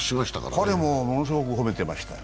彼もものすごく褒めてましたよ。